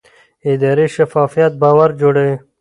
اداري شفافیت باور جوړوي